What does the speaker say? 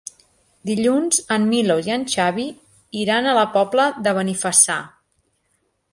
Dilluns en Milos i en Xavi iran a la Pobla de Benifassà.